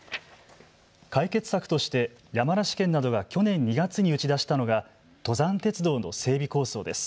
解決策として山梨県などが去年２月に打ち出したのが登山鉄道の整備構想です。